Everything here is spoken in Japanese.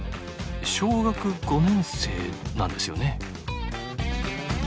小学５年生なんですよね？